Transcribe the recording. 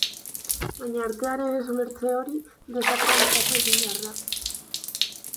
Baina, artearen ez-ulertze hori desakralizatu egin behar da.